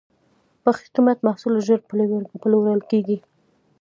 په ښه قیمت محصول ژر پلورل کېږي.